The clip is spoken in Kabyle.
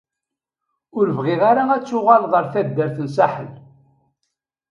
Ur bɣiɣ ara ad tuɣaleḍ ar taddart n Saḥel.